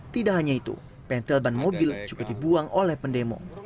tidak hanya itu pentil ban mobil juga dibuang oleh pendemo